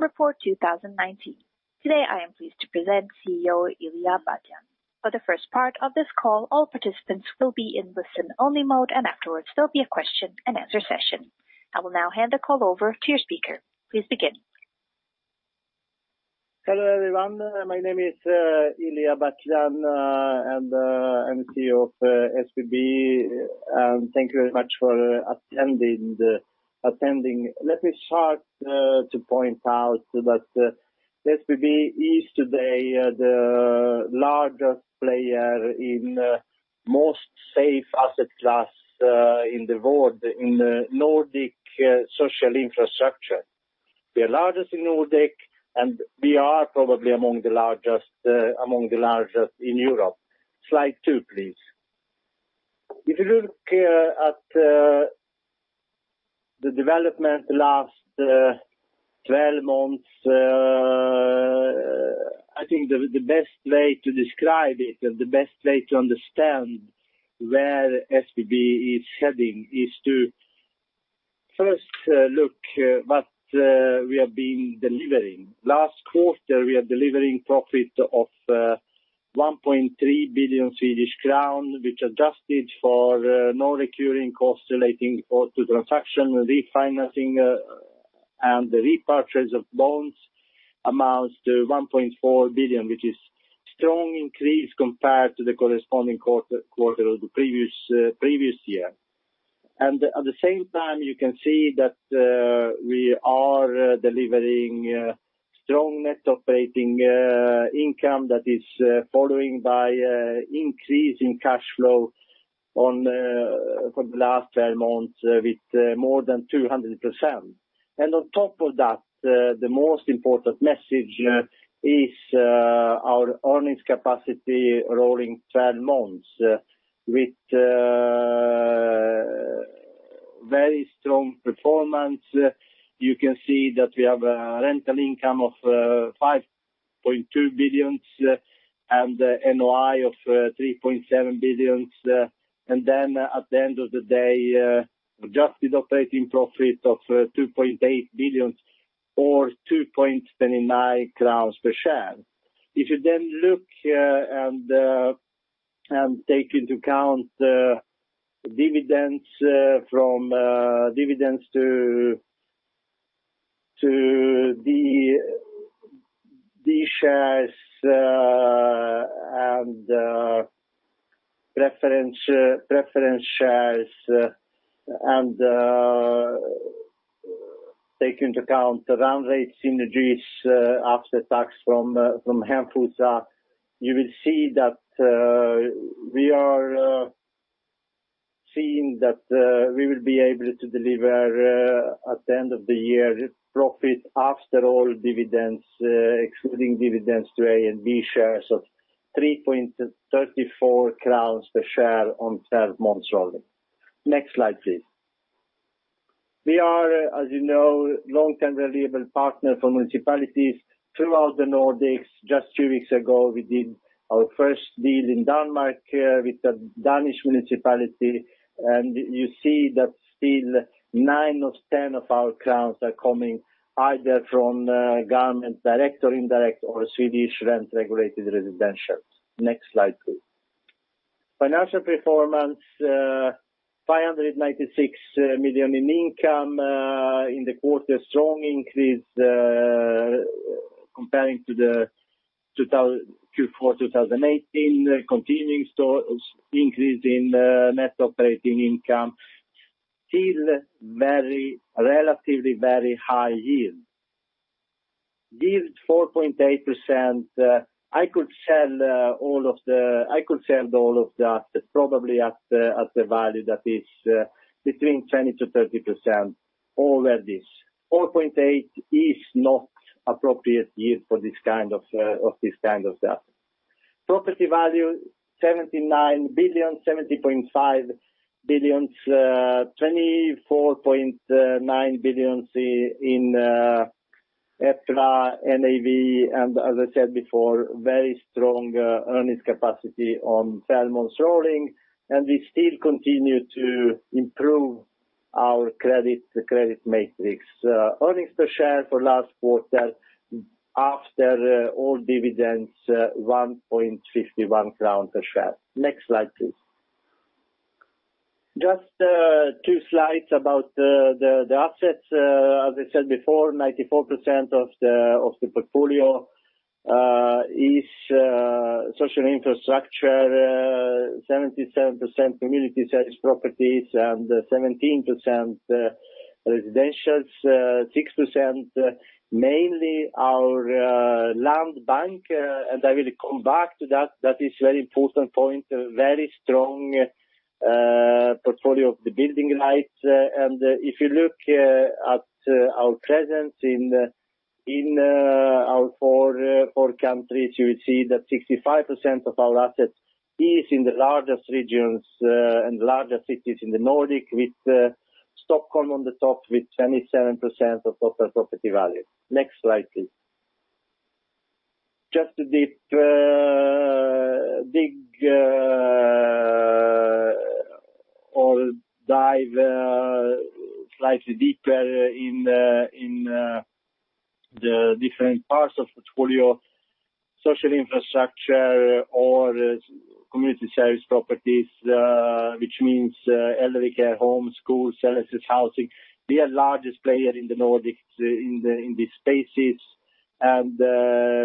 Report 2019. Today, I am pleased to present CEO Ilija Batljan. For the first part of this call, all participants will be in listen-only mode, and afterwards, there'll be a question and answer session. I will now hand the call over to your speaker. Please begin. Hello, everyone. My name is Ilija Batljan, and I'm CEO of SBB. Thank you very much for attending. Let me start to point out that SBB is today the largest player in most safe asset class in the world in Nordic social infrastructure. The largest in Nordic, and we are probably among the largest in Europe. Slide two, please. If you look here at the development last 12 months, I think the best way to describe it and the best way to understand where SBB is heading is to first look what we have been delivering. Last quarter, we are delivering profit of 1.3 billion Swedish crown, which adjusted for non-recurring costs relating to transaction refinancing and the repurchase of bonds amounts to 1.4 billion, which is strong increase compared to the corresponding quarter of the previous year. At the same time, you can see that we are delivering strong net operating income that is following by increase in cash flow for the last 12 months with more than 200%. On top of that, the most important message is our earnings capacity rolling 12 months with very strong performance. You can see that we have a rental income of 5.2 billion and NOI of 3.7 billion. At the end of the day, adjusted operating profit of 2.8 billion or 2.29 crowns per share. If you look here and take into account dividends to the shares and preference shares, and take into account the run rate synergies after tax from Hemfosa, you will see that we will be able to deliver at the end of the year a profit after all dividends, excluding dividends to A and B shares of 3.34 crowns per share on 12 months rolling. Next slide, please. We are, as you know, long-term reliable partner for municipalities throughout the Nordics. Just two weeks ago, we did our first deal in Denmark with a Danish municipality. You see that still nine of 10 of our crowns are coming either from government direct or indirect or Swedish rent-regulated residentials. Next slide, please. Financial performance, 596 million in income in the quarter. Strong increase comparing to the Q4 2018. Continuing increase in net operating income. Still relatively very high yield. Yield 4.8%, I could sell all of the assets probably at a value that is between 20%-30% over this. 4.8% is not appropriate yield for this kind of asset. Property value, 79 billion, 70.5 billion, 24.9 billion in EPRA NAV. As I said before, very strong earnings capacity on 12 months rolling. We still continue to improve our credit metrics. Earnings per share for last quarter after all dividends, 1.51 crown per share. Next slide, please. Just two slides about the assets. As I said before, 94% of the portfolio is social infrastructure, 77% community service properties, and 17% residentials, 6% mainly our land bank. I will come back to that. That is very important point. Very strong portfolio of the building rights. If you look at our presence in our four countries, you will see that 65% of our assets is in the largest regions and largest cities in the Nordic, with Stockholm on the top with 27% of total property value. Next slide, please. Just a deep dive slightly deeper in the different parts of portfolio, social infrastructure or community service properties, which means elderly care homes, schools, LSS housing. We are largest player in the Nordics in these spaces.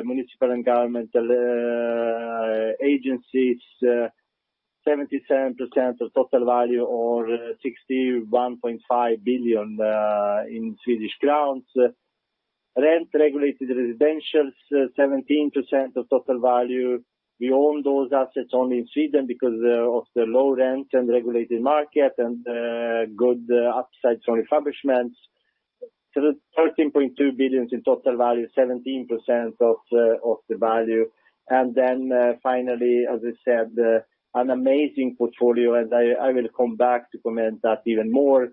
Municipal and governmental agencies, 77% of total value or 61.5 billion, in Swedish crowns. Rent-regulated residentials, 17% of total value. We own those assets only in Sweden because of the low rent and regulated market and good upsides from refurbishments. The 13.2 billion in total value, 17% of the value. Finally, as I said, an amazing portfolio. I will come back to comment that even more.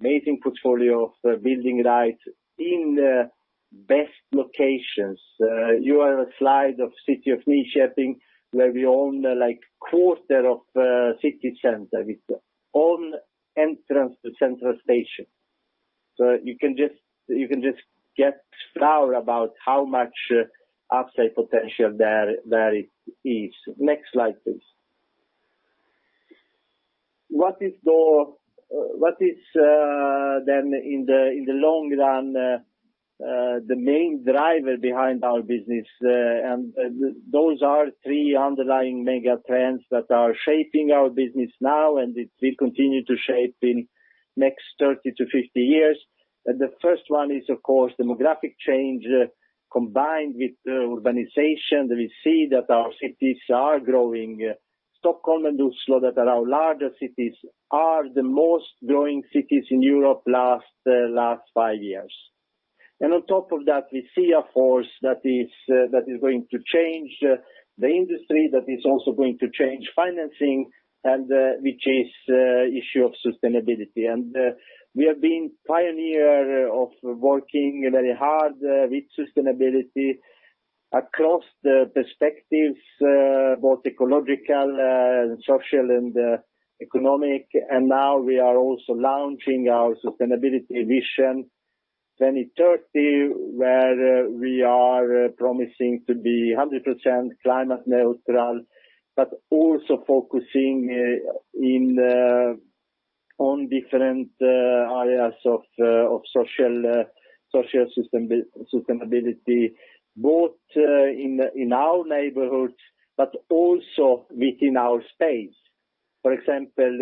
Amazing portfolio of building rights in the best locations. You have a slide of City of Nyköping where we own quarter of city center with own entrance to central station. You can just get thrilled about how much upside potential there is. Next slide, please. What is then in the long run, the main driver behind our business? Those are three underlying mega trends that are shaping our business now, and it will continue to shape in next 30-50 years. The first one is, of course, demographic change combined with urbanization. We see that our cities are growing. Stockholm and Oslo, that are our largest cities, are the most growing cities in Europe last five years. On top of that, we see a force that is going to change the industry, that is also going to change financing and which is issue of sustainability. We have been pioneer of working very hard with sustainability across the perspectives, both ecological and social and economic. Now we are also launching our sustainability vision 2030, where we are promising to be 100% climate neutral, but also focusing on different areas of social sustainability, both in our neighborhoods but also within our space. For example,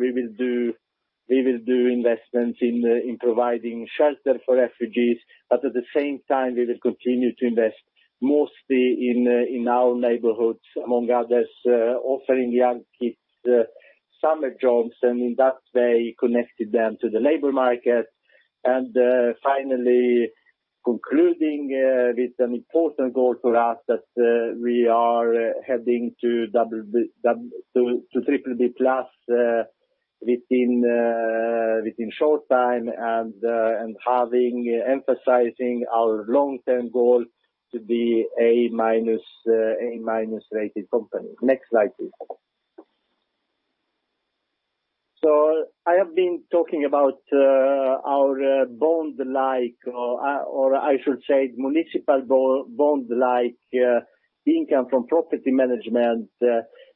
we will do investments in providing shelter for refugees, but at the same time, we will continue to invest mostly in our neighborhoods, among others, offering young kids summer jobs, and in that way, connecting them to the labor market. Finally concluding with an important goal for us that we are heading to BBB+, within short time and having emphasizing our long-term goal to be A- rated company. Next slide, please. I have been talking about our bond-like, or I should say municipal bond-like income from property management,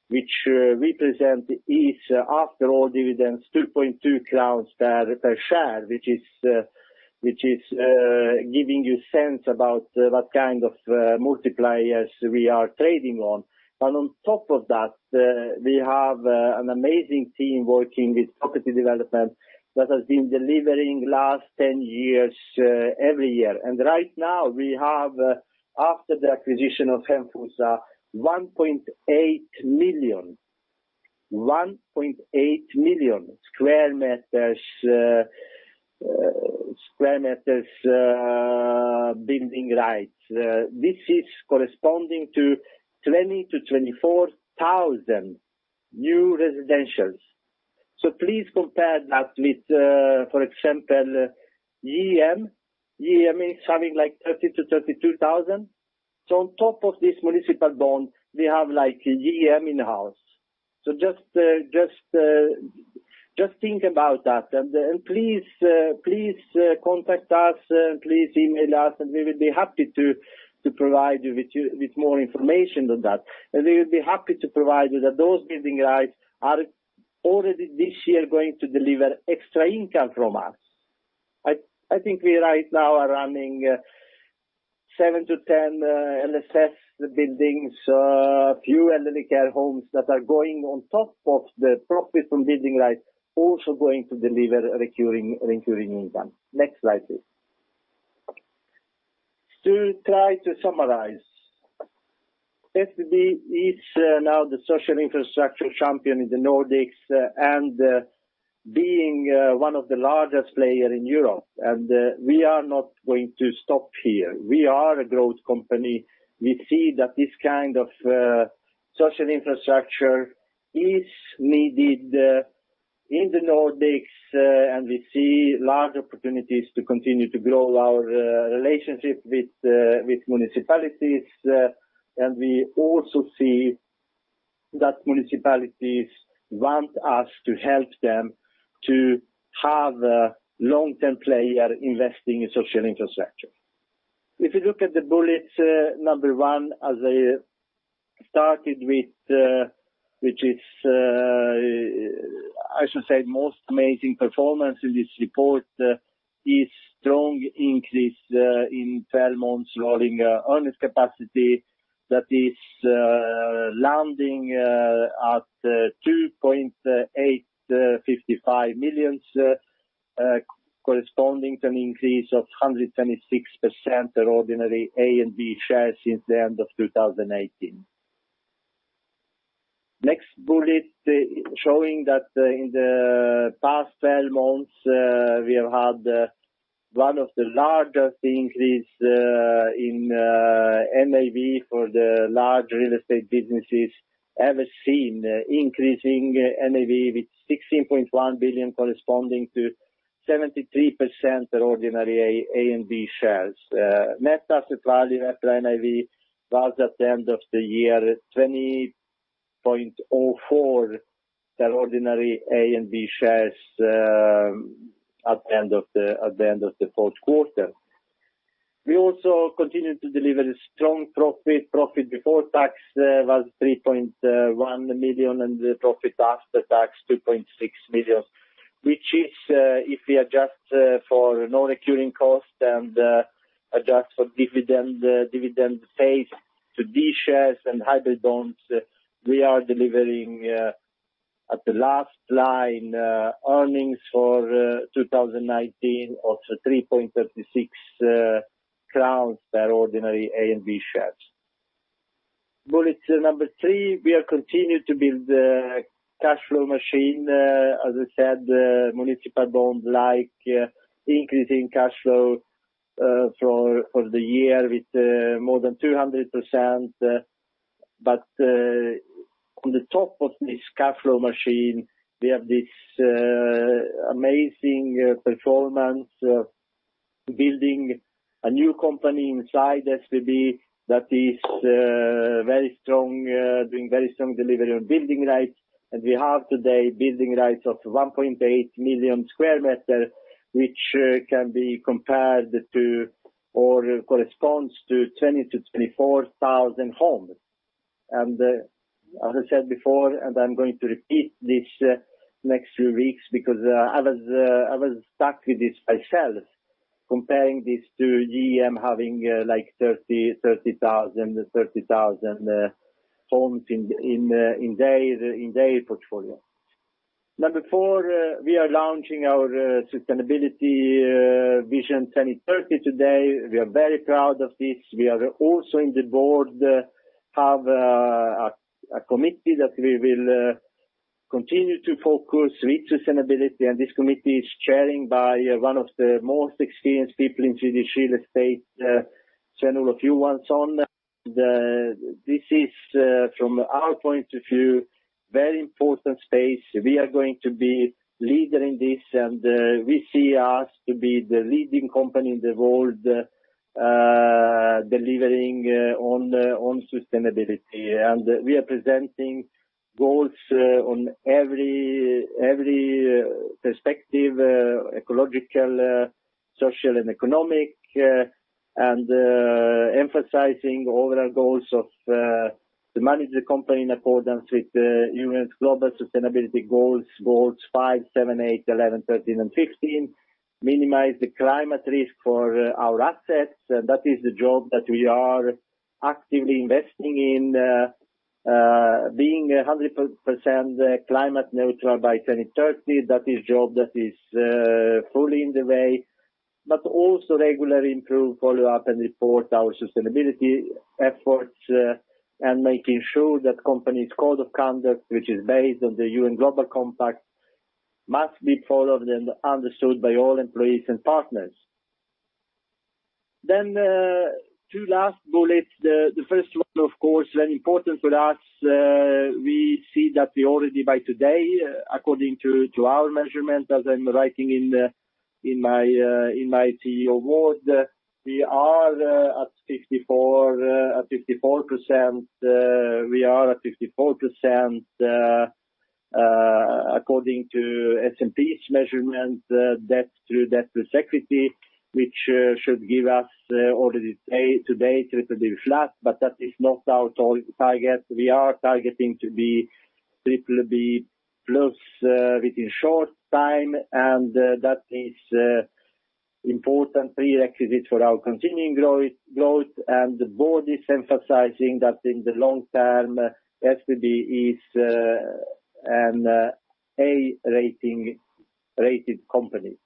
which represent is after all dividends, 2.2 crowns per share, which is giving you sense about what kind of multipliers we are trading on. On top of that, we have an amazing team working with property development that has been delivering last 10 years, every year. Right now we have, after the acquisition of Hemfosa, 1.8 million sq m building rights. This is corresponding to 20,000-24,000 new residentials. Please compare that with, for example, JM. JM is having 30,000-32,000. On top of this municipal bond, we have JM in-house. Just think about that. Please contact us, please email us, and we will be happy to provide you with more information on that. We will be happy to provide you that those building rights are already this year going to deliver extra income from us. I think we right now are running seven to 10 LSS buildings, few elderly care homes that are going on top of the profit from building rights, also going to deliver recurring income. Next slide, please. To try to summarize, SBB is now the social infrastructure champion in the Nordics and being one of the largest player in Europe. We are not going to stop here. We are a growth company. We see that this kind of social infrastructure is needed in the Nordics, and we see large opportunities to continue to grow our relationship with municipalities. We also see that municipalities want us to help them to have a long-term player investing in social infrastructure. If you look at the bullet number one, as I started with, which is, I should say, most amazing performance in this report is strong increase in 12 months rolling earnings capacity that is landing at 2.855 million, corresponding to an increase of 126% ordinary A and B shares since the end of 2018. Next bullet showing that in the past 12 months, we have had one of the largest increase in NAV for the large real estate businesses ever seen, increasing NAV with 16.1 billion corresponding to 73% ordinary A and B shares. Net asset value after NAV was at the end of the year 20.04, the ordinary A and B shares at the end of the fourth quarter. We also continued to deliver a strong profit. Profit before tax was 3.1 million, and the profit after tax, 2.6 million. If we adjust for non-recurring cost and adjust for dividend paid to D shares and hybrid bonds, we are delivering at the last line, earnings for 2019 of 3.36 crowns per ordinary A and B shares. Bullet number three, we are continuing to build the cash flow machine. As I said, municipal bond like increasing cash flow for the year with more than 200%. On the top of this cash flow machine, we have this amazing performance, building a new company inside SBB that is doing very strong delivery on building rights. We have today building rights of 1.8 million sq m, which can be compared to or corresponds to 20,000-24,000 homes. As I said before, and I'm going to repeat this next few weeks because I was stuck with this myself, comparing this to JM having 30,000 homes in their portfolio. Number four, we are launching our sustainability vision 2030 today. We are very proud of this. We are also in the board, have a committee that we will continue to focus with sustainability, and this committee is chaired by one of the most experienced people in Swedish real estate, general a few months on. This is, from our point of view, very important space. We are going to be leading this, and we see us to be the leading company in the world delivering on sustainability. We are presenting goals on every perspective, ecological, social, and economic, and emphasizing overall goals of to manage the company in accordance with the UN's global sustainability goals five, seven, eight, 11, 13, and 15. Minimize the climate risk for our assets. That is the job that we are actively investing in, being 100% climate neutral by 2030. That is job that is fully in the way, but also regularly improve, follow up, and report our sustainability efforts, and making sure that company's code of conduct, which is based on the UN Global Compact, must be followed and understood by all employees and partners. Two last bullets. The first one, of course, very important for us. We see that we already by today, according to our measurement as I'm writing in my CEO award, we are at 54%, according to S&P's measurement, debt to equity, which should give us already today BBB, but that is not our target. We are targeting to be BBB+ within short time, and that is important prerequisite for our continuing growth. The board is emphasizing that in the long term, SBB is an A-rating company.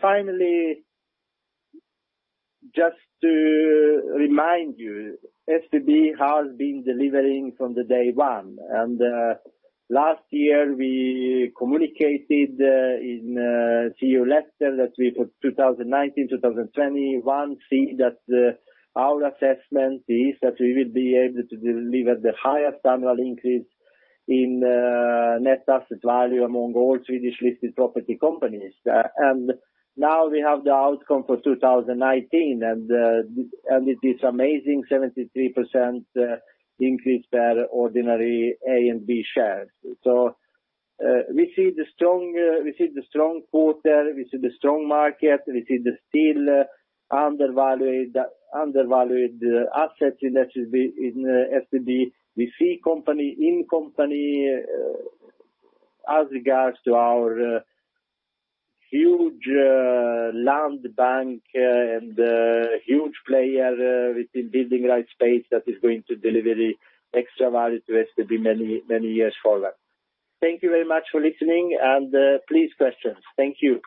Finally, just to remind you, SBB has been delivering from the day one. Last year, we communicated in CEO letter that we put 2019-2021. Our assessment is that we will be able to deliver the highest annual increase in net asset value among all Swedish-listed property companies. Now we have the outcome for 2019, and it is amazing, 73% increase per ordinary A and B shares. We see the strong quarter, we see the strong market, we see the still undervalued assets in SBB. We see company in company as regards to our huge land bank and huge player within building rights space that is going to deliver extra value to SBB many years forward. Thank you very much for listening, and please questions. Thank you.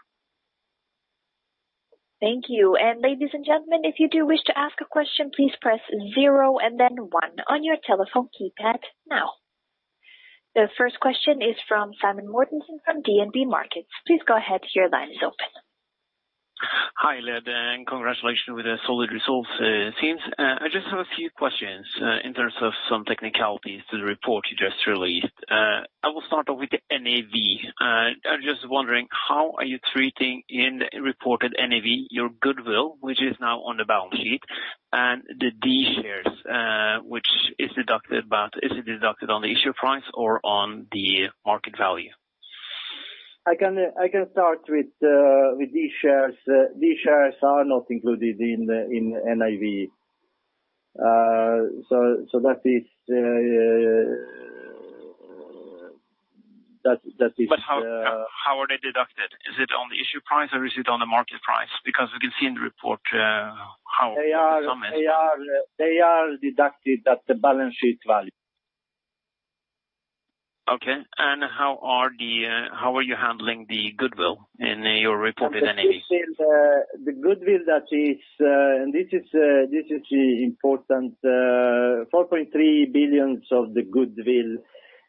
Thank you. Ladies and gentlemen, if you do wish to ask a question, please press zero and then one on your telephone keypad now. The first question is from Simen Mortensen from DNB Markets. Please go ahead. Your line is open. Hi, [Ilija]. Congratulations with the solid results. It seems I just have a few questions in terms of some technicalities to the report you just released. I will start off with the NAV. I'm just wondering, how are you treating in reported NAV, your goodwill, which is now on the balance sheet, and the D shares, which is deducted. Is it deducted on the issue price or on the market value? I can start with D shares. D shares are not included in NAV. So what is the- How are they deducted? Is it on the issue price or is it on the market price? They are deducted at the balance sheet value. Okay. How are you handling the goodwill in your reported NAV? This is important, SEK 4.3 billion of the goodwill.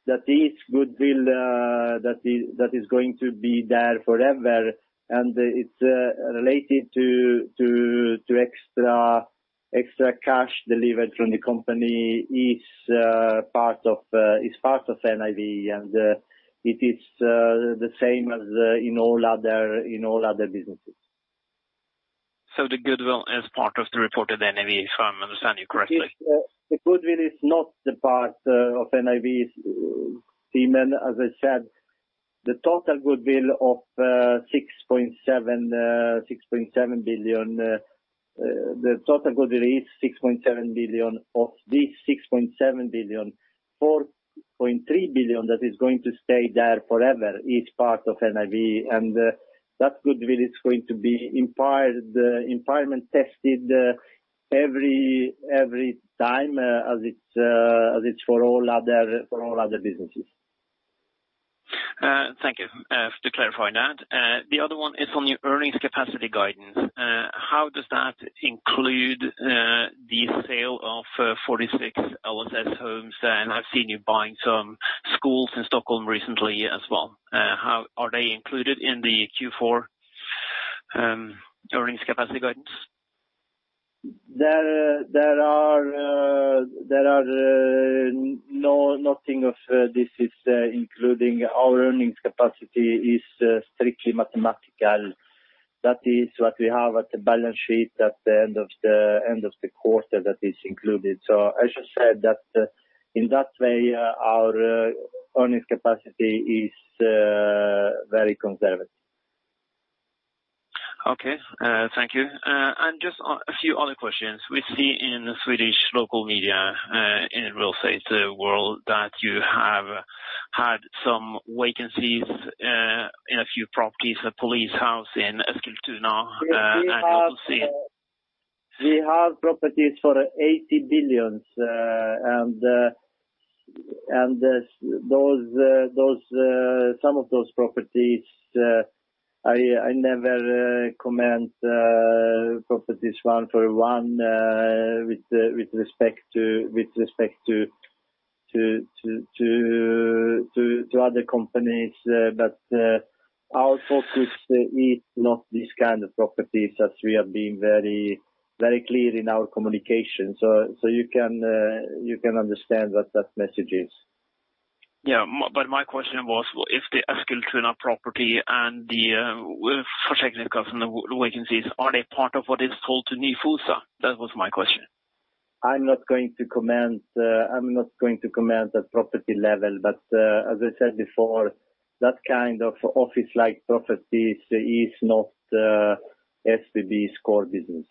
That is goodwill that is going to be there forever, and it is related to extra cash delivered from the company is part of NAV, and it is the same as in all other businesses. The goodwill is part of the reported NAV, if I understand you correctly. The goodwill is not the part of NAV, Simen Mortensen. The total goodwill is 6.7 billion. Of this 6.7 billion, 4.3 billion that is going to stay there forever is part of NAV, and that goodwill is going to be impairment tested every time as it's for all other businesses. Thank you for clarifying that. The other one is on your earnings capacity guidance. How does that include the sale of 46 LSS homes? I've seen you buying some schools in Stockholm recently as well. Are they included in the Q4 earnings capacity guidance? Nothing of this including our earnings capacity is strictly mathematical. That is what we have at the balance sheet at the end of the quarter that is included. I should say that in that way, our earnings capacity is very conservative. Okay. Thank you. Just a few other questions. We see in the Swedish local media in real estate world that you have had some vacancies in a few properties, a police house in Eskilstuna. We have properties for SEK 80 billion. Some of those properties, I never comment properties one for one with respect to other companies. Our focus is not these kind of properties as we have been very clear in our communication. You can understand what that message is. Yeah. My question was, if the Eskilstuna property and the Försäkringskassan vacancies, are they part of what is sold to Nyfosa? That was my question. I'm not going to comment the property level, but as I said before, that kind of office-like properties is not SBB's core business.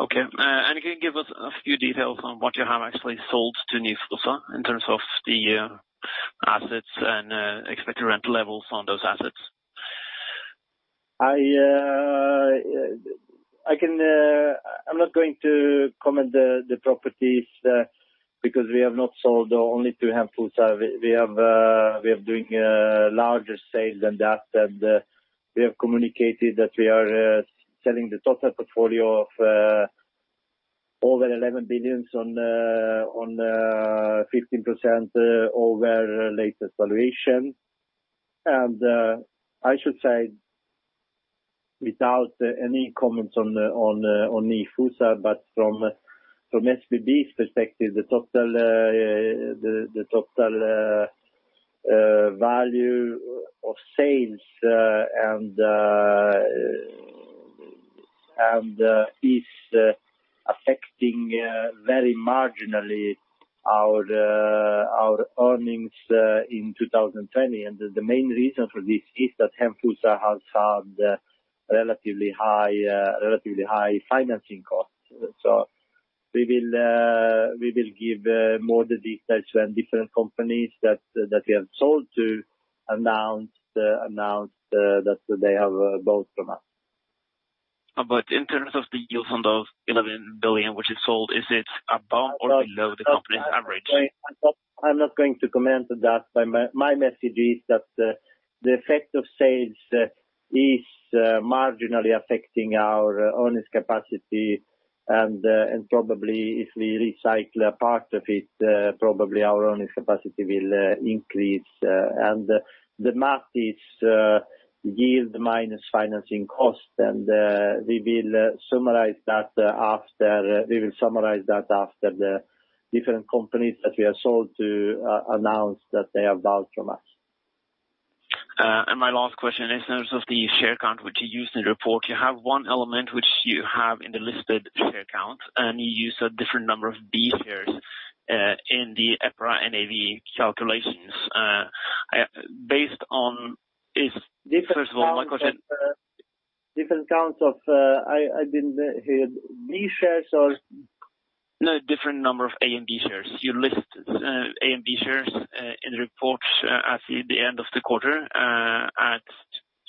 Okay. Can you give us a few details on what you have actually sold to Nyfosa in terms of the assets and expected rental levels on those assets? I'm not going to comment the properties because we have not sold only to Nyfosa. We have doing larger sales than that. We have communicated that we are selling the total portfolio of over 11 billion on 15% over latest valuation. I should say without any comment on Nyfosa, but from SBB's perspective, the total value of sales is affecting very marginally our earnings in 2020. The main reason for this is that Hemfosa has had relatively high financing costs. We will give more the details when different companies that we have sold to announce that they have bought from us. In terms of the yields on those 11 billion, which is sold, is it above or below the company's average? I'm not going to comment on that. My message is that the effect of sales is marginally affecting our earnings capacity, and probably if we recycle a part of it, probably our earnings capacity will increase. The math is yield minus financing cost, and we will summarize that after the different companies that we have sold to announce that they have bought from us. My last question, in terms of the share count, which you used in the report, you have one element which you have in the listed share count, and you used a different number of B shares in the EPRA NAV calculations. Based on this, first of all, my question. Different counts of I didn't hear. B shares or? No, different number of A and B shares. You list A and B shares in the report at the end of the quarter, at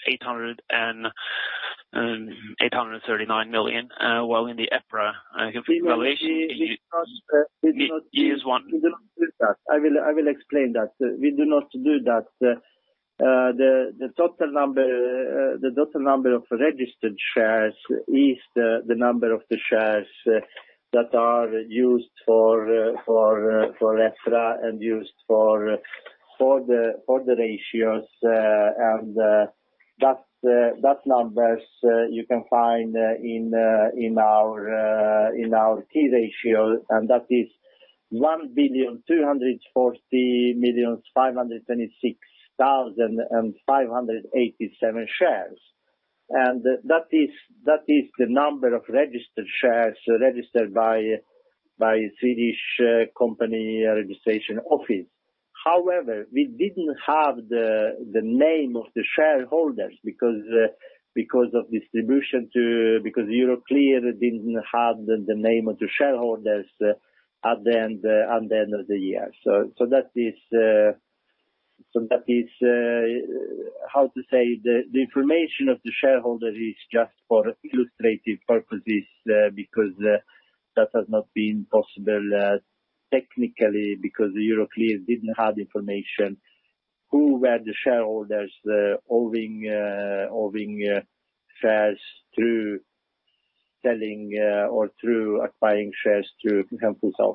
839 million, while in the EPRA calculation you use one. We do not do that. I will explain that. We do not do that. The total number of registered shares is the number of the shares that are used for EPRA and used for the ratios, and that numbers you can find in our key ratio, and that is 1,240,526,587 shares. That is the number of registered shares registered by Swedish company registration office. However, we didn't have the name of the shareholders because of distribution, because Euroclear didn't have the name of the shareholders at the end of the year. That is, how to say, the information of the shareholder is just for illustrative purposes, because that has not been possible technically, because Euroclear didn't have information who were the shareholders holding shares through selling or through acquiring shares through Hemfosa.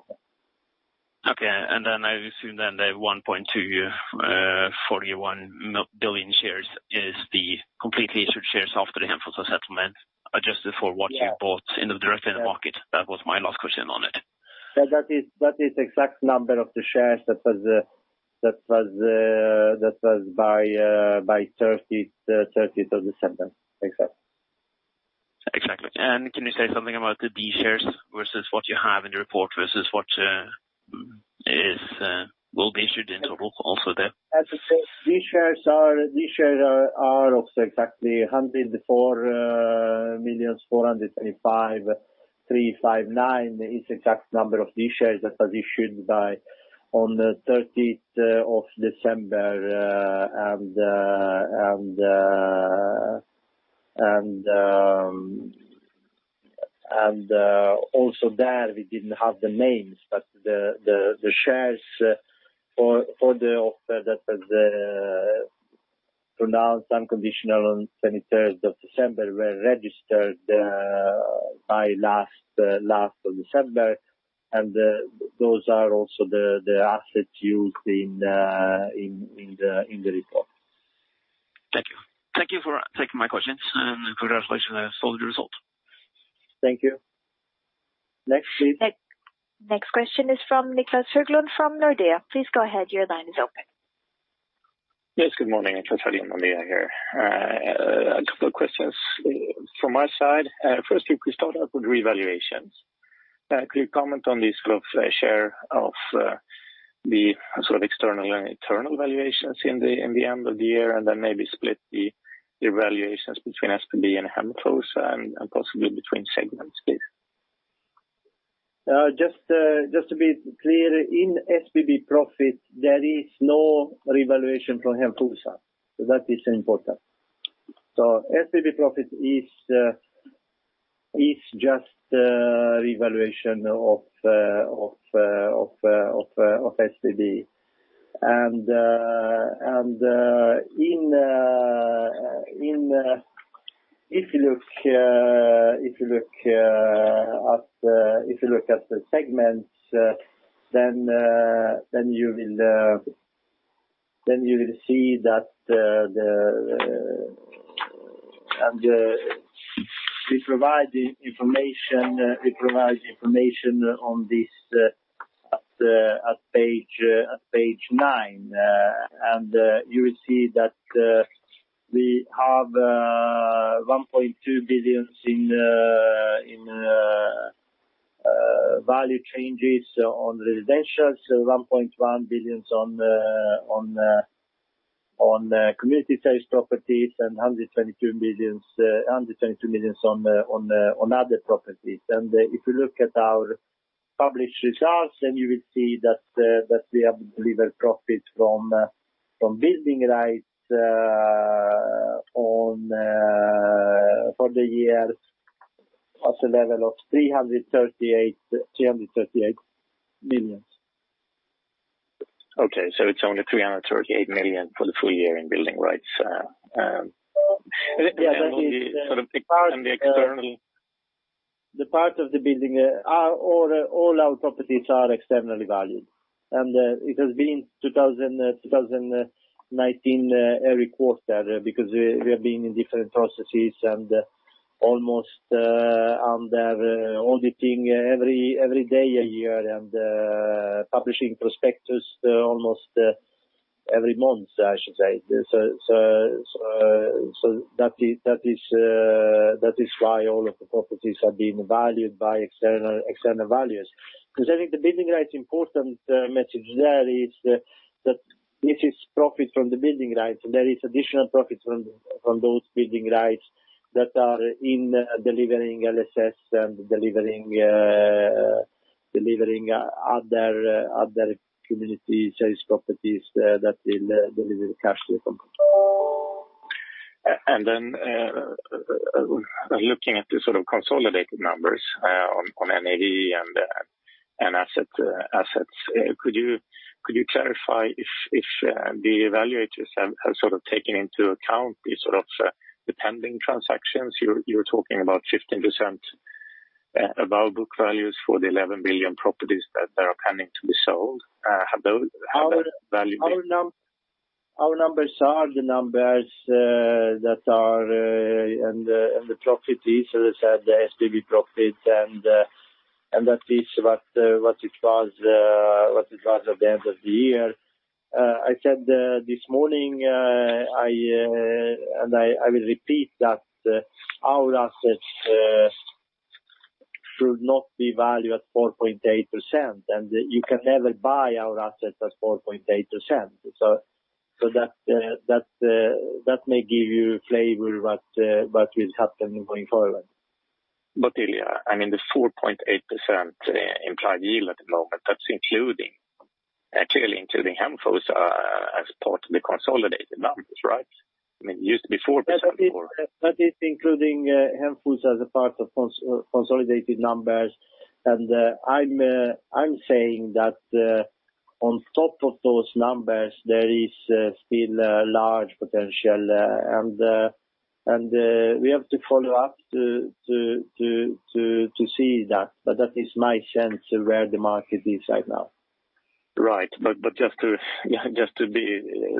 Okay. I assume then the 1,241,000 billion shares is the completely issued shares after the Hemfosa settlement, adjusted for what you bought directly in the market. That was my last question on it. That is exact number of the shares that was by 30th of December. Exactly. Exactly. Can you say something about the B shares versus what you have in the report versus what will be issued in total also there? B shares are also exactly 104,425,359 is exact number of B shares that was issued on the 30th of December. Also there, we didn't have the names, but the shares for the offer that was pronounced unconditional on 23rd of December were registered by last of December. Those are also the assets used in the report. Thank you. Thank you for taking my questions, and congratulations on the solid result. Thank you. Next, please. Next question is from Niclas Höglund from Nordea. Please go ahead. Your line is open. Yes, good morning. It's Niclas Höglund, Nordea here. A couple of questions from my side. Please start off with revaluations. Could you comment on the share of the sort of external and internal valuations in the end of the year, and then maybe split the valuations between SBB and Hemfosa, and possibly between segments, please? Just to be clear, in SBB profit, there is no revaluation from Hemfosa. That is important. SBB profit is just revaluation of SBB. If you look at the segments, you will see that we provide the information on this at page nine. You will see that we have 1.2 billion in value changes on residentials, 1.1 billion on community service properties, and 122 million on other properties. If you look at our published results, you will see that we have delivered profit from building rights for the year at a level of 338 million. Okay. It's only 338 million for the full year in building rights. Yeah. And the external- All our properties are externally valued. It has been 2019 every quarter, because we have been in different processes and almost under auditing every day a year and publishing prospectus almost every month, I should say. That is why all of the properties are being valued by external valuers. I think the building rights important message there is that this is profit from the building rights, and there is additional profit from those building rights that are in delivering LSS and delivering other community service properties that will deliver cash to the company. Looking at the sort of consolidated numbers on NAV and assets, could you clarify if the evaluators have sort of taken into account the pending transactions? You're talking about 15% above book values for the 11 billion properties that are pending to be sold. Our numbers are the numbers that are in the properties, as I said, the SBB profit and that is what it was at the end of the year. I said this morning, and I will repeat that our assets should not be valued at 4.8%, and you can never buy our assets at 4.8%. That may give you a flavor what will happen going forward. Ilija, I mean, the 4.8% implied yield at the moment, that's clearly including Hemfosa as part of the consolidated numbers, right? I mean, it used to be 4% before. That is including Hemfosa as a part of consolidated numbers. I'm saying that on top of those numbers, there is still a large potential. We have to follow up to see that. That is my sense of where the market is right now. Right. Just to be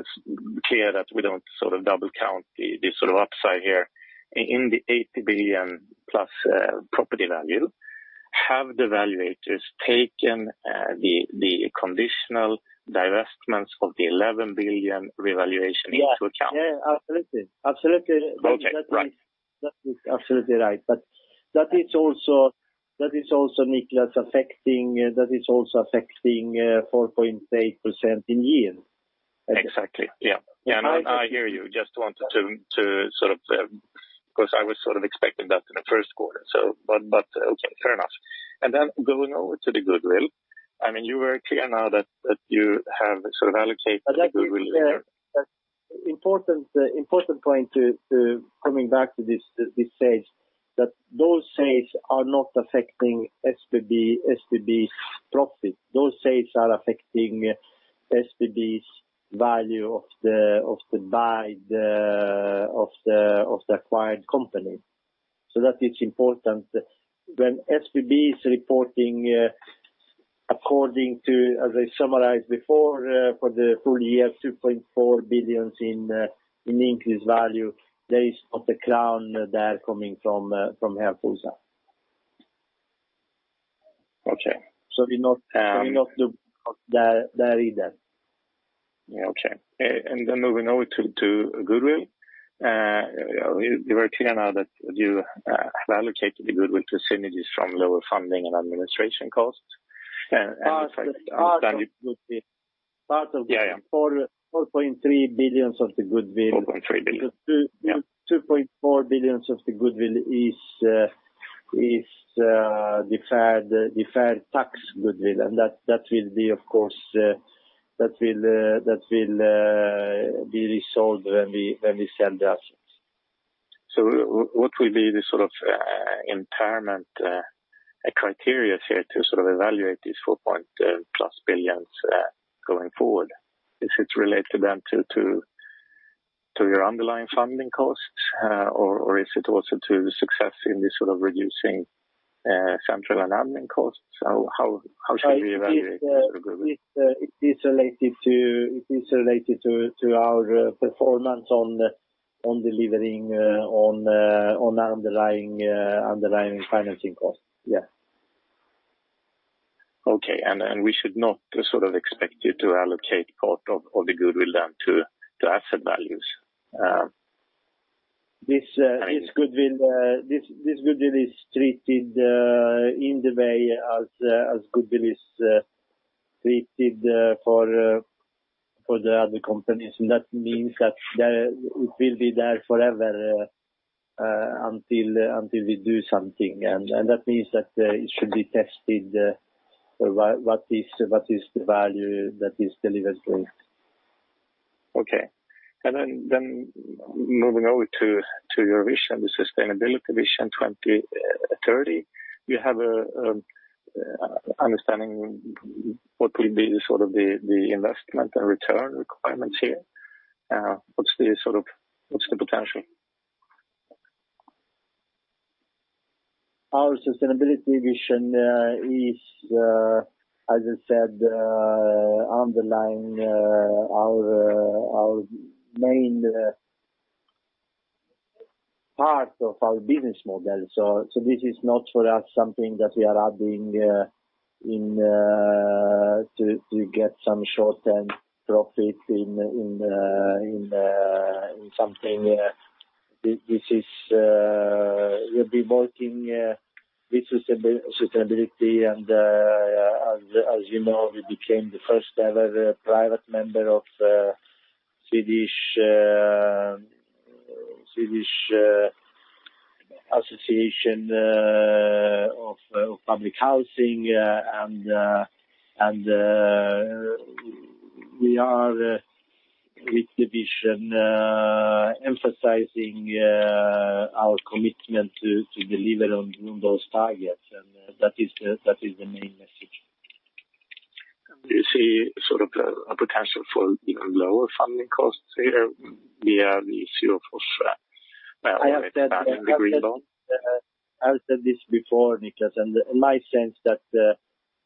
clear that we don't double count the upside here. In the 80 billion plus property value, have the evaluators taken the conditional divestments of the 11 billion revaluation into account? Yeah. Absolutely. Okay. Right. That is absolutely right. That is also, Niclas, affecting 4.8% in yield. Exactly. Yeah. I hear you, just wanted to sort of, because I was sort of expecting that in the first quarter. Okay, fair enough. Then going over to the goodwill. I mean, you were clear now that you have sort of allocated the goodwill- Important point to coming back to this stage, that those sales are not affecting SBB's profit. Those sales are affecting SBB's value of the acquired company. That is important. When SBB is reporting according to, as I summarized before, for the full year 2.4 billion in increased value, there is not 1 SEK there coming from Hemfosa. Okay. We're not there either. Yeah. Okay. Moving over to goodwill. You were clear now that you have allocated the goodwill to synergies from lower funding and administration costs. If I understand it. Part of the 4.3 billions of the goodwill. 4.3 billion. Yeah. 2.4 billion of the goodwill is deferred tax goodwill, and that will be resolved when we sell the assets. What will be the sort of entitlement criteria here to sort of evaluate these SEK 4-point-plus billions going forward? Is it related then to your underlying funding costs, or is it also to the success in this sort of reducing central and admin costs? How should we evaluate this goodwill? It is related to our performance on delivering on underlying financing costs. Yeah. Okay. We should not expect you to allocate part of the goodwill then to asset values? This goodwill is treated in the way as goodwill is treated for the other companies. That means that it will be there forever until we do something. That means that it should be tested, what is the value that is delivered. Okay. Moving over to your vision, the Sustainability Vision 2030. Do you have an understanding what will be the investment and return requirements here? What's the potential? Our sustainability vision is, as I said, underlying our main part of our business model. This is not for us something that we are adding to get some short-term profit in something. We have been working with sustainability, and as you know, we became the first-ever private member of Public Housing Sweden. We are, with the vision, emphasizing our commitment to deliver on those targets, and that is the main message. Do you see a potential for even lower funding costs here via the issue of the green bond? I have said this before, Niclas, My sense that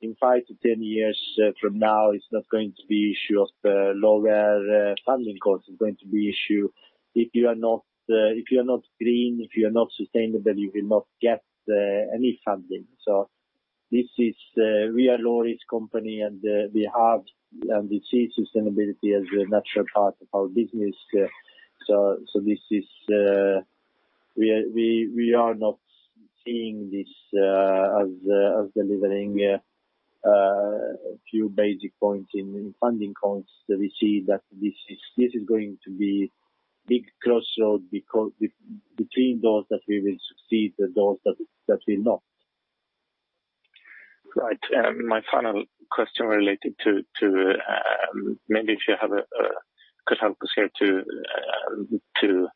in 5-10 years from now, it's not going to be issue of lower funding costs. It's going to be issue if you are not green, if you are not sustainable, you will not get any funding. We are a low-risk company, and we see sustainability as a natural part of our business. We are not seeing this as delivering a few basis points in funding costs. We see that this is going to be big crossroads between those that will succeed and those that will not. Right. My final question related to, maybe if you could help us here to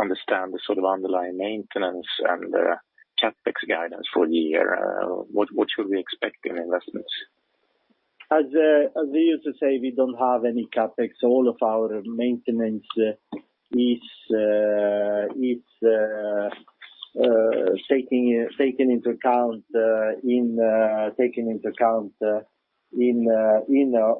understand the sort of underlying maintenance and CapEx guidance for the year. What should we expect in investments? As we used to say, we don't have any CapEx. All of our maintenance is taken into account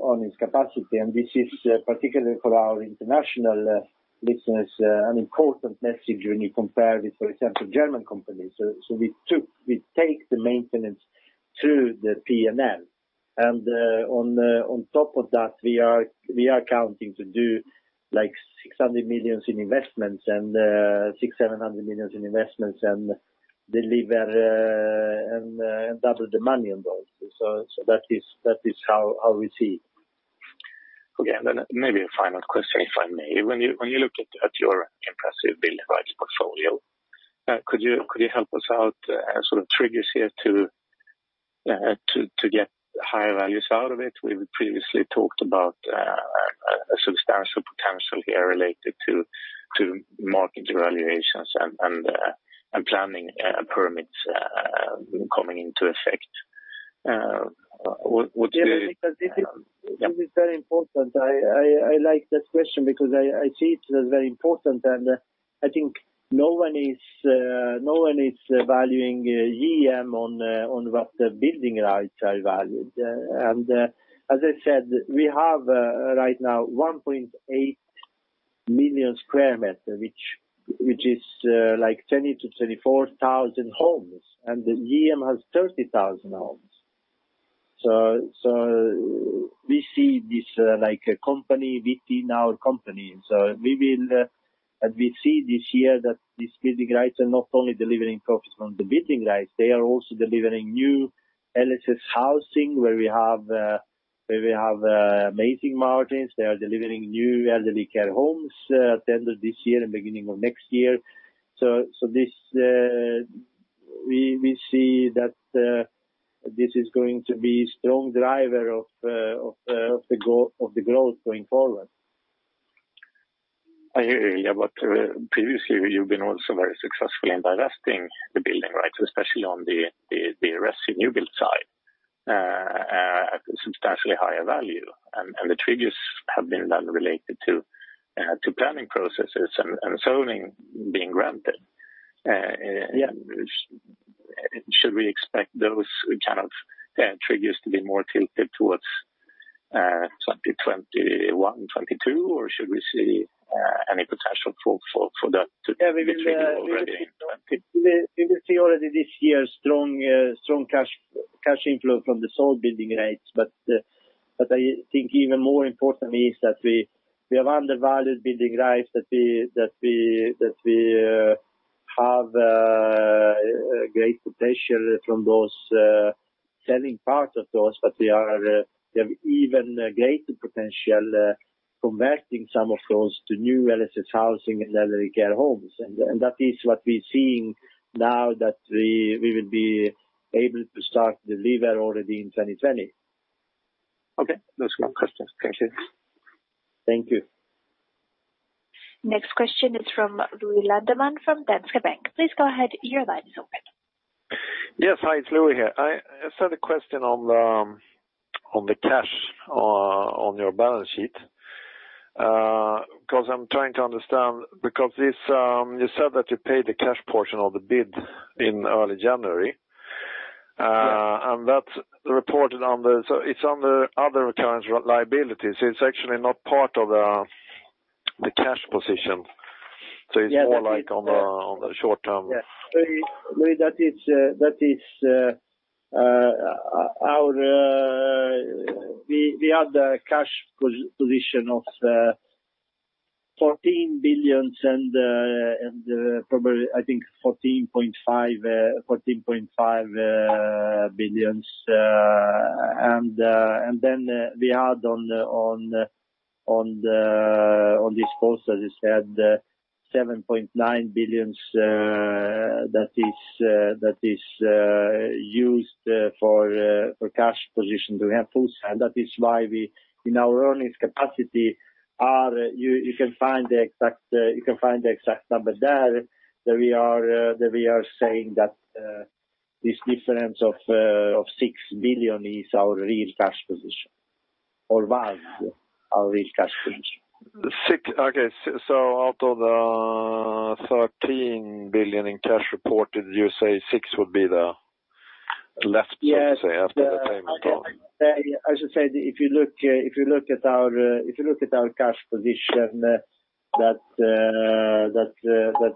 on its capacity, and this is particularly for our international listeners, an important message when you compare it with, for example, German companies. We take the maintenance through the P&L. On top of that, we are counting to do 600 million in investments and 600-700 million in investments and deliver double the money on those. That is how we see. Okay. Maybe a final question, if I may. When you look at your impressive building rights portfolio, could you help us out sort of triggers here to get higher values out of it? We've previously talked about a substantial potential here related to market revaluations and planning permits coming into effect. Niclas, this is very important. I like that question because I see it as very important, and I think no one is valuing JM on what the building rights are valued. As I said, we have right now 1.8 million sq m, which is like 20,000-24,000 homes, and JM has 30,000 homes. We see this like a company within our company. We see this year that these building rights are not only delivering profits from the building rights, they are also delivering new LSS housing, where we have amazing margins. They are delivering new elderly care homes at the end of this year and beginning of next year. We see that this is going to be strong driver of the growth going forward. I hear you. Previously, you've been also very successful in divesting the building rights, especially on the resi new build side. Substantially higher value, and the triggers have been related to planning processes and zoning being granted. Should we expect those kind of triggers to be more tilted towards 2021-2022, or should we see any potential for that to be triggered already? We will see already this year strong cash inflow from the sold building rights. I think even more important is that we have undervalued building rights, that we have great potential from selling parts of those. They have even greater potential converting some of those to new LSS housing and elderly care homes. That is what we're seeing now that we will be able to start deliver already in 2020. Okay. That's one question. Thank you. Next question is from Lou Landeman from Danske Bank. Please go ahead, your line is open. Yes. Hi, it's Louis here. I just had a question on the cash on your balance sheet. I'm trying to understand, you said that you paid the cash portion of the bid in early January. Yes. That's reported, so it's under other current liabilities. It's actually not part of the cash position. Yes. It's more like on the short term. Yes, Louis, we had a cash position of 14 billion and probably, I think 14.5 billion. Then we had on this quarter, as you said, 7.9 billion, that is used for cash position to have full. That is why in our earnings capacity, you can find the exact number there, that we are saying that this difference of six billion is our real cash position or was our real cash position. Okay. Out of the 13 billion in cash reported, you say six would be the. Yes so to say, after the payment. As I said, if you look at our cash position that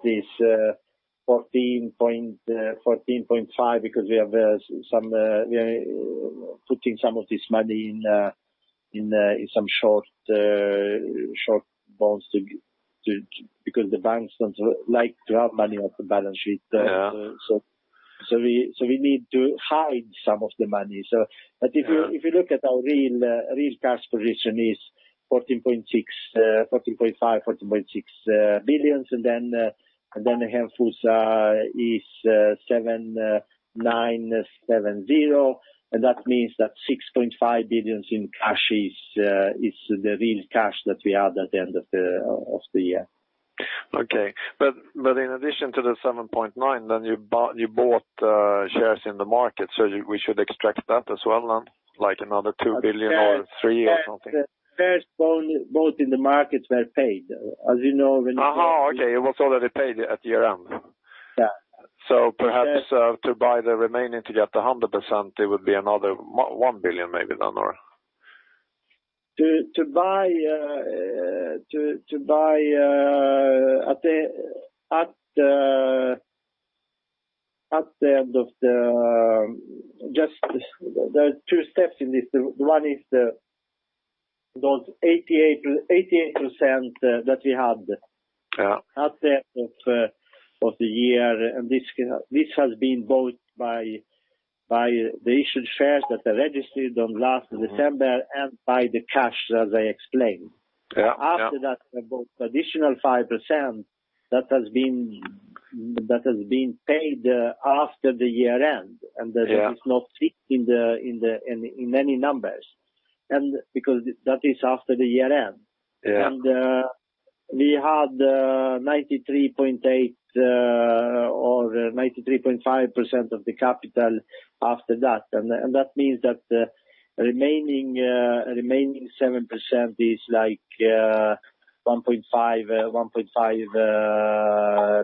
is 14.5 because we are putting some of this money in some short bonds because the banks don't like to have money off the balance sheet. Yeah. We need to hide some of the money. If you look at our real cash position is 14.5 billion, 14.6 billion and then Hemfosa is 7.970 billion and that means that 6.5 billion in cash is the real cash that we had at the end of the year. Okay. In addition to the 7.9, then you bought shares in the market, so we should extract that as well, another 2 billion or three or something? First bond bought in the market were paid, as you know. Okay. It was already paid at year-end. Yeah. Perhaps to buy the remaining to get 100%, it would be another SEK 1 billion maybe then, or? There are two steps in this. One is those 88%. Yeah At the end of the year, this has been bought by the issued shares that are registered on last December and by the cash, as I explained. Yeah. After that, we bought additional 5% that has been paid after the year-end. That is not fixed in any numbers, because that is after the year-end. Yeah. We had 93.8 or 93.5% of the capital after that. That means that the remaining 7% is like 1.5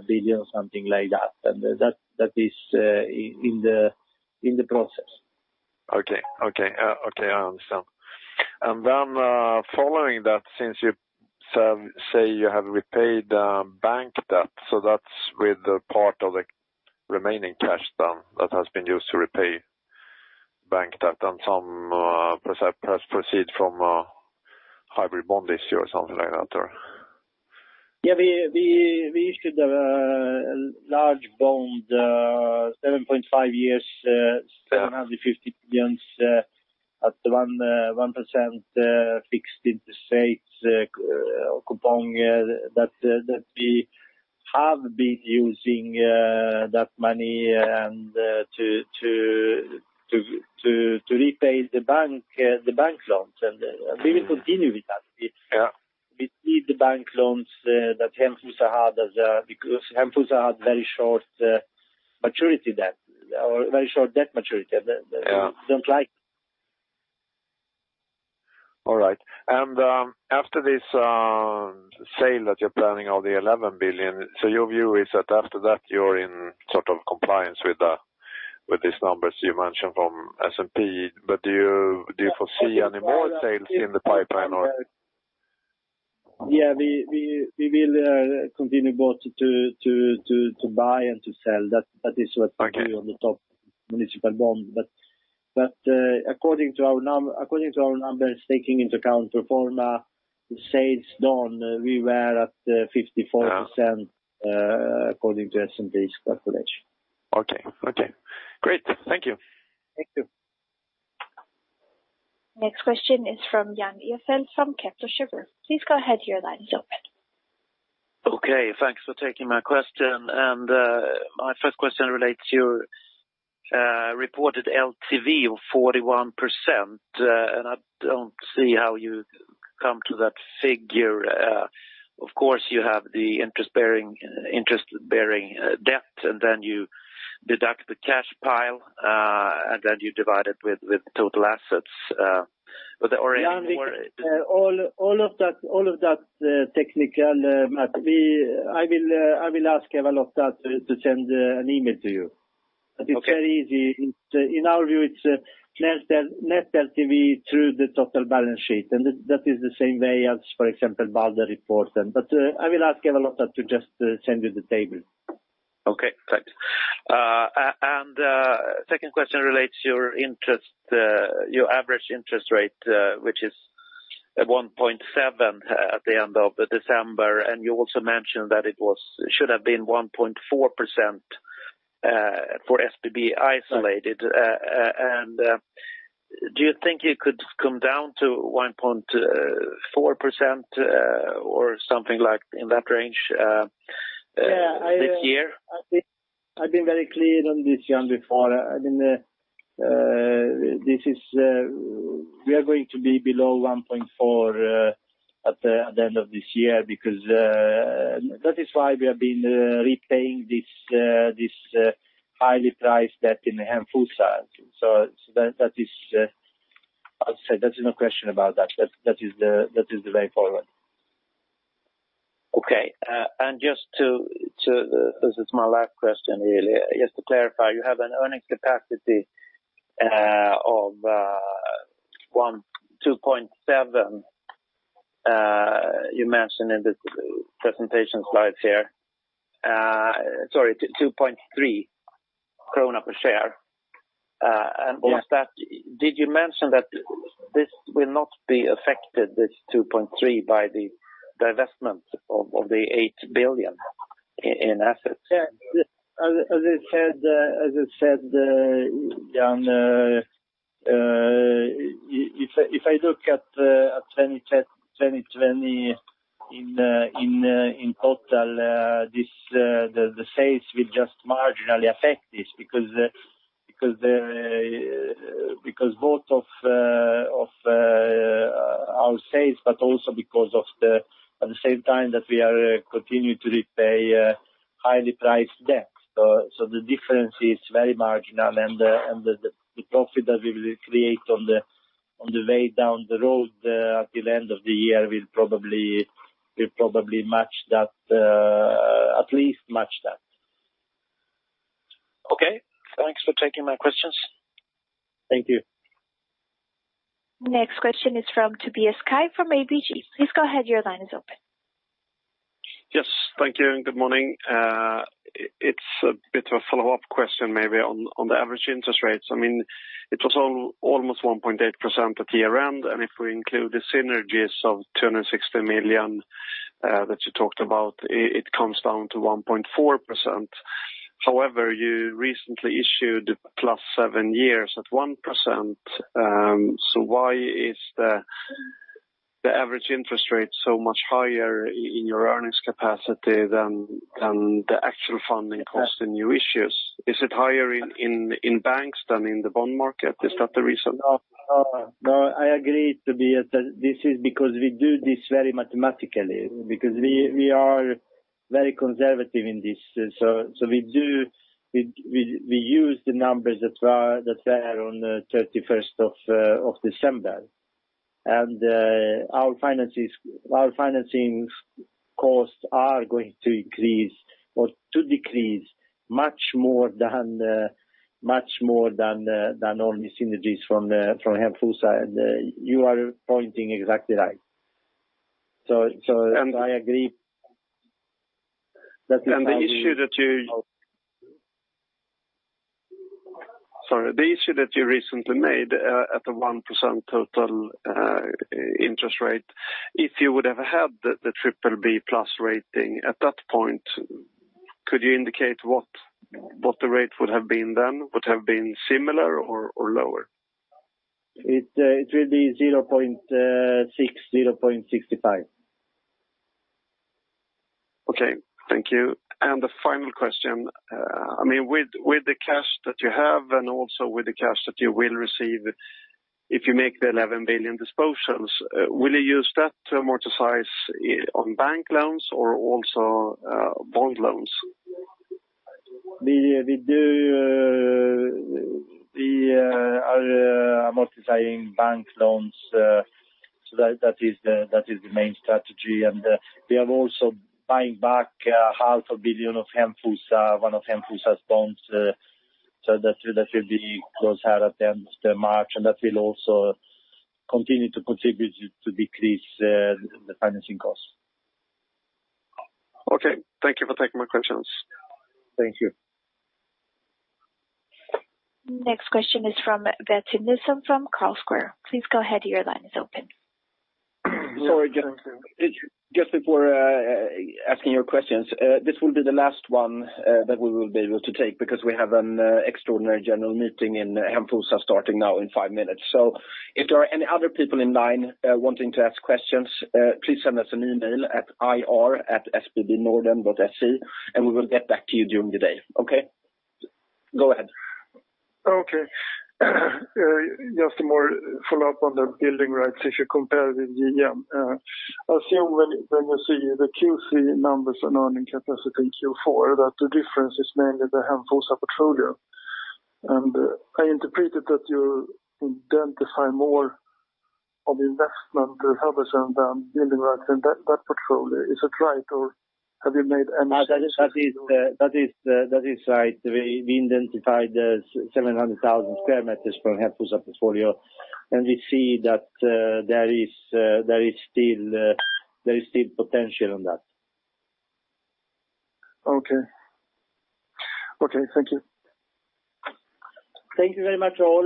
billion, something like that. That is in the process. Okay. I understand. Following that, since you say you have repaid bank debt, that's with the part of the remaining cash then that has been used to repay bank debt and some proceeds from a hybrid bond issue or something like that, or? Yeah, we issued a large bond, seven point five years, SEK 750 billions at 1% fixed interest rate coupon that we have been using that money to repay the bank loans. We will continue with that. Yeah. We need the bank loans that Hemfosa had, because Hemfosa had very short-maturity debt or very short debt maturity that we don't like. All right. After this sale that you're planning of the 11 billion, your view is that after that you're in sort of compliance with these numbers you mentioned from S&P. Do you foresee any more sales in the pipeline? Yeah, we will continue both to buy and to sell. That is what we do on the top municipal bond. According to our numbers, taking into account pro forma sales done, we were at 54% according to S&P's calculation. Okay. Okay. Great. Thank you. Thank you. Next question is from Jan Ihrfelt from Kepler Cheuvreux. Please go ahead, your line is open. Okay, thanks for taking my question. My first question relates to your reported LTV of 41%, and I don't see how you come to that figure. Of course, you have the interest-bearing debt, and then you deduct the cash pile, and then you divide it with total assets. Jan, all of that technical math, I will ask Eva-Lotta Stridh to send an email to you. Okay. It's very easy. In our view, it's net LTV through the total balance sheet. That is the same way as, for example, Balder reports them. I will ask Eva-Lotta to just send you the table. Okay, thanks. Second question relates to your average interest rate, which is at 1.7% at the end of December, you also mentioned that it should have been 1.4% for SBB isolated. Do you think it could come down to 1.4% or something like in that range this year? I've been very clear on this, Jan, before. We are going to be below 1.4 at the end of this year because that is why we have been repaying this highly priced debt in Hemfosa. There's no question about that. That is the way forward. Okay. This is my last question really. Just to clarify, you have an earning capacity of 2.7, you mentioned in the presentation slides here. Sorry, 2.3 krona per share. Yes. Did you mention that this will not be affected, this 2.3, by the divestment of the SEK 8 billion in assets? Yeah. As I said, Jan, if I look at 2020 in total, the sales will just marginally affect this because both of our sales, but also because of the, at the same time that we are continuing to repay highly priced debt. The difference is very marginal, and the profit that we will create on the way down the road till end of the year will probably at least match that. Okay. Thanks for taking my questions. Thank you. Next question is from Tobias Kaj from ABG. Please go ahead, your line is open. Yes. Thank you. Good morning. It's a bit of a follow-up question maybe on the average interest rates. It was almost 1.8% at year-end. If we include the synergies of 260 million that you talked about, it comes down to 1.4%. However, you recently issued 7+ years at 1%. Why is the average interest rate so much higher in your earnings capacity than the actual funding cost in new issues? Is it higher in banks than in the bond market? Is that the reason? I agree, Tobias. This is because we do this very mathematically because we are very conservative in this. We use the numbers that are on 31st of December. Our financing costs are going to decrease much more than only synergies from Hemfosa. You are pointing exactly right. I agree that. Sorry. The issue that you recently made at the 1% total interest rate, if you would have had the BBB+ rating at that point, could you indicate what the rate would have been then? Would have been similar or lower? It will be 0.6-0.65. Okay. Thank you. And the final question, with the cash that you have and also with the cash that you will receive if you make the 11 billion dispositions, will you use that to amortize on bank loans or also bond loans? We are amortizing bank loans. That is the main strategy. We are also buying back half a billion of Hemfosa, one of Hemfosa's bonds. That will be closed out at the end of March, and that will also continue to contribute to decrease the financing cost. Okay. Thank you for taking my questions. Thank you. Next question is from Bertil Nilsson from Carlsquare. Please go ahead. Your line is open. Sorry, just before asking your questions. This will be the last one that we will be able to take because we have an extraordinary general meeting in Hemfosa starting now in five minutes. If there are any other people in line wanting to ask questions, please send us an email at ir@sbbnorden.se, and we will get back to you during the day. Okay? Go ahead. Okay. Just more follow-up on the building rights if you compare with JM. I assume when you see the Q3 numbers and earning capacity in Q4, that the difference is mainly the Hemfosa portfolio. I interpreted that you identify more of investment returns than building rights in that portfolio. Is that right, or have you made any- That is right. We identified the 700,000 sq m from Hemfosa portfolio, and we see that there is still potential on that. Okay. Thank you. Thank you very much all.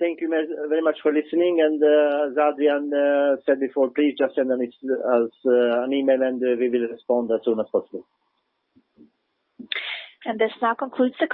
Thank you very much for listening. As Adrian said before, please just send us an email and we will respond as soon as possible. This now concludes the call.